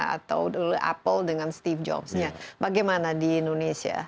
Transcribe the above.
atau apple dengan steve jobs nya bagaimana di indonesia